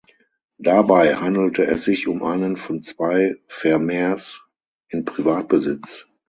Dabei handelte es sich um einen von zwei Vermeers in Privatbesitz.